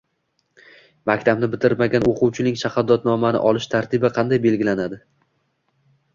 Maktabni bitirmagan o‘quvchining shahodatnomani olish tartibi qanday belgilanadi?